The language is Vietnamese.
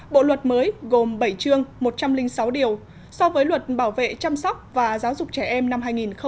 bộ luật mới gồm bảy chương một trăm linh sáu điều so với luật bảo vệ chăm sóc và giáo dục trẻ em năm hai nghìn một mươi bảy